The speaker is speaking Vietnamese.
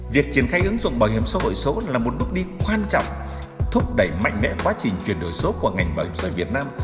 việc triển khai ứng dụng bảo hiểm xã hội số là một bước đi quan trọng thúc đẩy mạnh mẽ quá trình chuyển đổi số của ngành bảo hiểm xã hội việt nam